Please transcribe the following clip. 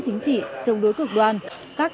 chính trị trong đối cực đoan các